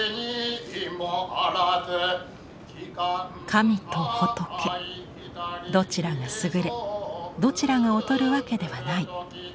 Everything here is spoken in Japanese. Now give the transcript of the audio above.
神と仏どちらが優れどちらが劣るわけではない。